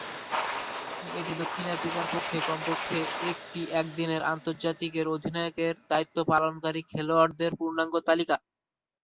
এটি দক্ষিণ আফ্রিকার পক্ষে কমপক্ষে একটি একদিনের আন্তর্জাতিকের অধিনায়কের দায়িত্ব পালনকারী খেলোয়াড়দের পূর্ণাঙ্গ তালিকা।